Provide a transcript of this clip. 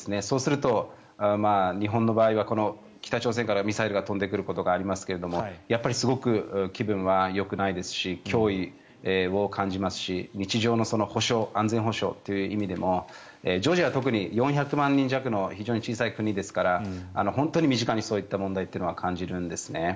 そうすると、日本の場合は北朝鮮からミサイルが飛んでくることがありますがやっぱりすごく気分はよくないですし脅威を感じますし、日常の保障安全保障という意味でもジョージアは特に４００万人弱の非常に小さい国ですから本当に身近にそういった問題は感じるんです。